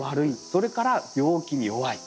それから病気に弱い。